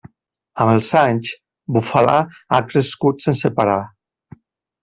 Amb els anys, Bufalà ha crescut sense parar.